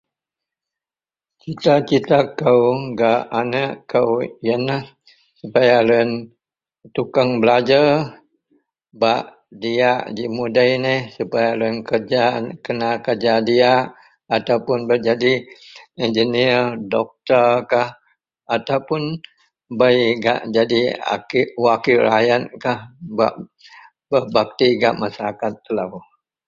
Cita-cita kou gak anek kou iyenlah supaya loyen tukeang belajar bak diyak ji mudei neh supaya loyen kerja kena kerja diyak ataupuon bak jadi engineer doktor kah ataupuon bei jadi wakil rakyat kah bak bakti gak masaraket telo.